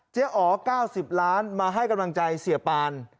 อ๋อ๙๐ล้านมาให้กำลังใจเสียปาน